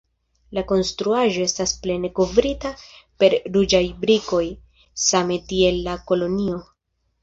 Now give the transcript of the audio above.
La konstruaĵo estas plene kovrita per ruĝaj brikoj, same tiel la kolonio.